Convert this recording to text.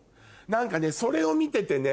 何かねそれを見ててね。